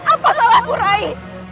apa salah ku rai